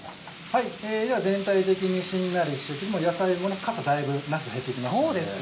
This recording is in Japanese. では全体的にしんなりしてきて野菜もかさだいぶなす減ってきましたので。